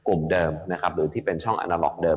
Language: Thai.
กลุ่มเดิมนะครับหรือที่เป็นช่องอาณาล็อกเดิม